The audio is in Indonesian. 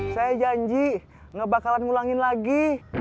saya janji gak bakalan ngulangin lagi